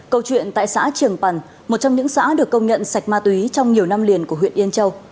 câu chuyện tại xã trường pần một trong những xã được công nhận sạch ma túy trong nhiều năm liền của huyện yên châu